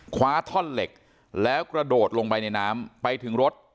คว้าท่อนเหล็กแล้วกระโดดลงไปในน้ำไปถึงรถ